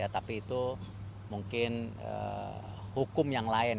tapi itu mungkin hukum yang lain